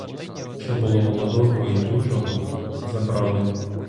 Що було молодого й дужого, забрали.